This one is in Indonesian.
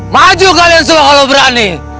maju kalian semua kalau berani